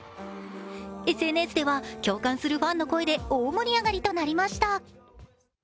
ＳＮＳでは共感するファンの声で大盛り上がりとなりました。